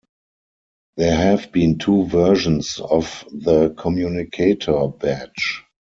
There have been two versions of the communicator badge.